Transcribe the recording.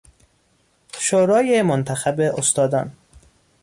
شورای منتخب استادان